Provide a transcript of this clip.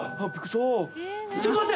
ちょっと待って！